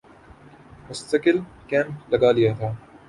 مستقل کیمپ لگا لیا تھا